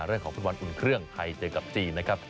เรื่องของฟุตบอลอุ่นเครื่องไทยเจอกับจีนนะครับ